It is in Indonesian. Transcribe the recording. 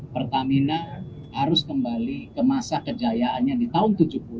pertamina harus kembali ke masa kejayaannya di tahun tujuh puluh